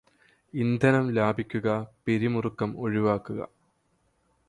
ഇന്ധനം ലാഭിക്കുക പിരിമുറക്കം ഒഴിവാക്കുക